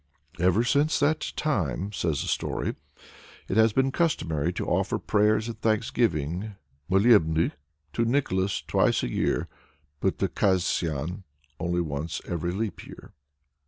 "Ever since that time," says the story, "it has been customary to offer prayers and thanksgiving (molebnui) to Nicholas twice a year, but to Kasian only once every leap year."